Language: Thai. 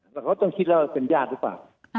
แต่เค้าต้องคิดว่าเป็นญาติหรือเปล่า